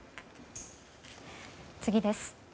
次です。